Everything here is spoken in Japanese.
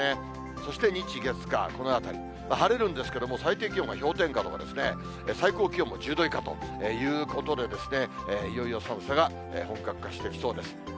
そして、日、月、火、このあたり、晴れるんですけれども、最低気温が氷点下とか、最高気温も１０度以下ということで、いよいよ寒さが本格化してきそうです。